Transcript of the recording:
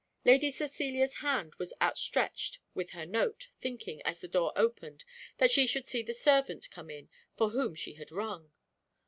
Lady Cecilia's hand was outstretched with her note, thinking, as the door opened, that she should see the servant come in, for whom she had rung.